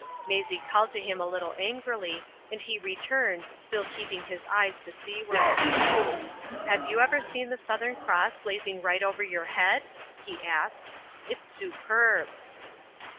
Maisie called to him a little angrily, and he returned, still keeping his eyes to seaward. "Have you ever seen the Southern Cross blazing right over your head?" he asked. "It's superb!"